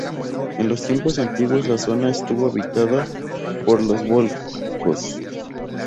En los tiempos antiguos la zona estuvo habitada por los volscos.